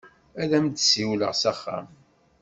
Ad am-d-siwlen s axxam.